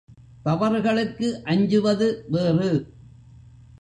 தவறுகளுக்கு அஞ்சுவது வேறு.